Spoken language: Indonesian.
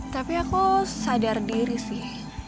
tapi aku sadar diri sih